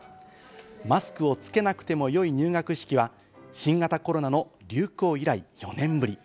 マスクをつけなくてもよい入学式は新型コロナの流行以来、４年ぶり。